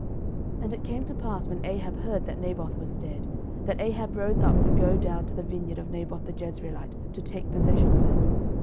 11:021:016 And it came to pass, when Ahab heard that Naboth was dead, that Ahab rose up to go down to the vineyard of Naboth the Jezreelite, to take possession of it.